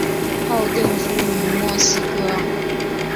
后定居于墨西哥。